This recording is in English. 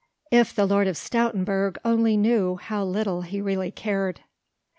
If the Lord of Stoutenburg only knew how little he really cared.